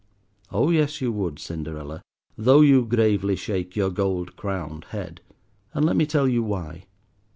Oh yes, you would, Cinderella, though you gravely shake your gold crowned head. And let me tell you why.